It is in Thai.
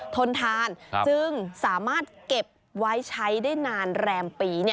ทนทานจึงสามารถเก็บไว้ใช้ได้นานแรมปี